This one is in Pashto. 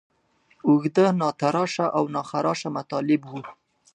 اوږده، ناتراشه او ناخراشه مطالب وو.